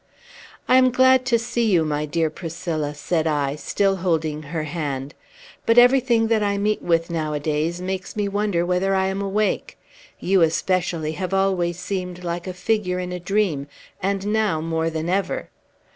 "I am glad to see you, my dear Priscilla," said I, still holding her hand; "but everything that I meet with nowadays makes me wonder whether I am awake. You, especially, have always seemed like a figure in a dream, and now more than ever."